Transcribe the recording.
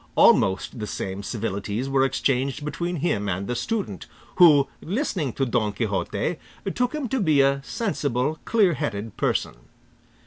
Almost the same civilities were exchanged between him and the student, who listening to Don Quixote, took him to be a sensible, clear headed person.